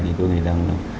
thì tôi nghĩ rằng